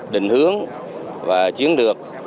định hướng và chiến lược